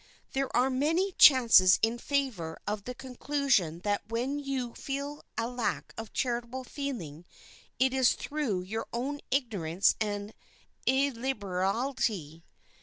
There are many chances in favor of the conclusion that when you feel a lack of charitable feeling it is through your own ignorance and illiberality.